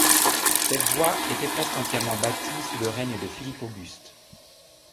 Cette voie était presque entièrement bâtie sous le règne de Philippe Auguste.